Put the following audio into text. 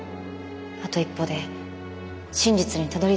あと一歩で真実にたどりつけるから。